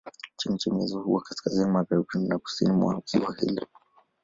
Chemchemi hizo huwa kaskazini magharibi na kusini mwa ziwa hili.